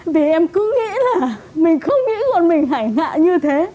vì em cứ nghĩ là mình không nghĩ con mình hải ngạ như thế